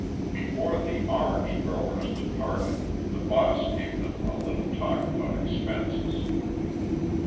Before the "Orange Growers" departed, the "boss" gave them a little talk about expenses.